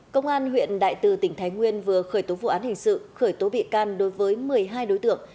công an huyện đại từ tỉnh thái nguyên vừa khởi tố vụ án hình sự khởi tố bị can đối với một mươi hai đối tượng